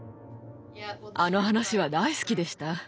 あの話は大好きでした。